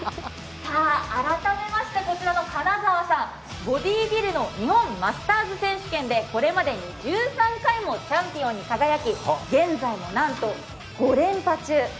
改めまして、こちらの金澤さん、ボディービルの日本マスターズ選手権でこれまでに１３回もチャンピオンに輝き、現在もなんと、５連覇中。